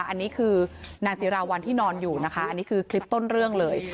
อันนี้คือนางจิราวัลที่นอนอยู่นะคะอันนี้คือคลิปต้นเรื่องเลย